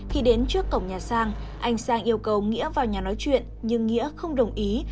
khi đến trước cổng nhà sang anh sang yêu cầu nghĩa vào nhà nói chuyện nhưng nghĩa không đồng ý